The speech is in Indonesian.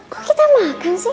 kok kita makan sih